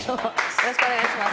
よろしくお願いします。